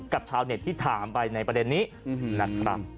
ชาวเน็ตที่ถามไปในประเด็นนี้นะครับ